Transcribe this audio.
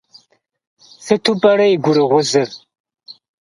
Сыту пӏэрэ и гурыгъузыр?